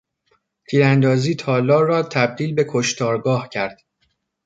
تیراندازی تالار را تبدیل به کشتارگاه کرد.